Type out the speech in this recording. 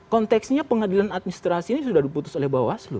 konteksnya pengadilan administrasi ini sudah diputus oleh bawaslu